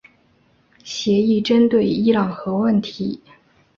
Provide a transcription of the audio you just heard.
协议针对伊朗核问题。